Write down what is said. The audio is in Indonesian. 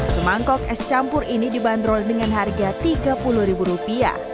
semangkok es campur ini dibanderol dengan harga rp tiga puluh